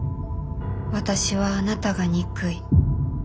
「私はあなたが憎い」。